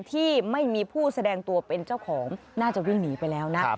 ที่ไม่มีผู้แสดงตัวเป็นเจ้าของน่าจะวิ่งหนีไปแล้วนะ